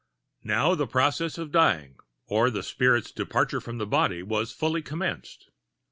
Now the process of dying, or the spirit's departure from the body, was fully commenced.